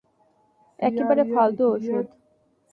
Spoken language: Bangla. একেবারে ফালতু ঔষধ।